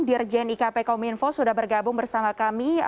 dirjen ikp kominfo sudah bergabung bersama kami